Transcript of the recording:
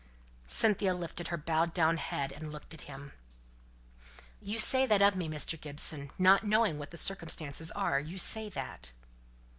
Cynthia lifted her bowed down head, and looked at him. "You say that of me, Mr. Gibson? Not knowing what the circumstances are, you say that?"